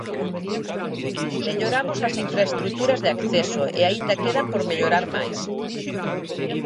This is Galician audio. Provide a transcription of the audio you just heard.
Melloramos as infraestruturas de acceso e aínda quedan por mellorar máis.